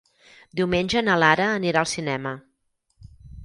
Diumenge na Lara anirà al cinema.